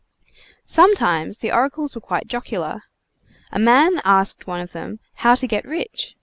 Sometimes the oracles were quite jocular. A man asked one of them how to get rich?